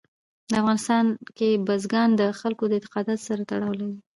په افغانستان کې بزګان د خلکو د اعتقاداتو سره تړاو لري.